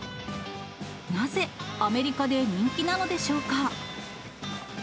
なぜアメリカで人気なのでしょうか。